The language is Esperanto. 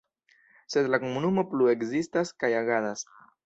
Sed la komunumo plu ekzistas kaj agadas.